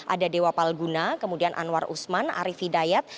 ada dewa palguna kemudian anwar usman arief hidayat